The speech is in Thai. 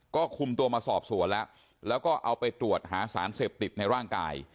ก็คุมตัวมาสอบสวนแล้วแล้วก็เอาไปตรวจหาสารเสพติดในร่างกาย